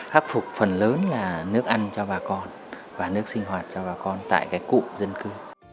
khắc phục phần lớn là nước ăn cho bà con và nước sinh hoạt cho bà con tại cụm dân cư